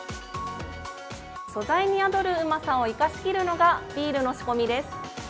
素材に宿るうまさを生かしきるのがビールの仕込みです。